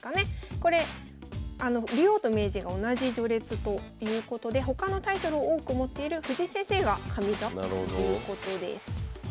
これ竜王と名人が同じ序列ということで他のタイトルを多く持っている藤井先生が上座ということです。